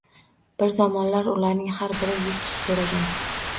Bir zamonlar ularning har biri yurt so‘ragan.